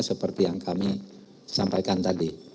seperti yang kami sampaikan tadi